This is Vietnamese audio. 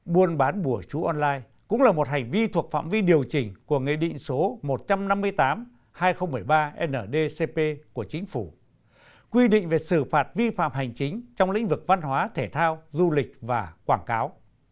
buôn bán bùa chú online cũng là một hành vi thuộc phạm vi điều chỉnh của nghị định số một trăm năm mươi tám hai nghìn một mươi ba ndcp của chính phủ quy định về xử phạt vi phạm hành chính trong lĩnh vực văn hóa thể thao du lịch và quảng cáo